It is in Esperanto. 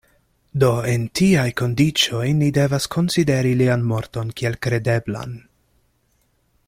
Do en tiaj kondiĉoj ni devas konsideri lian morton kiel kredeblan.